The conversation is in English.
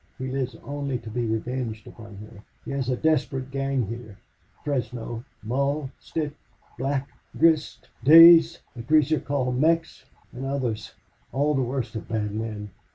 He lives only to be revenged upon her... He has a desperate gang here. Fresno, Mull, Stitt, Black, Grist, Dayss, a greaser called Mex, and others all the worst of bad men.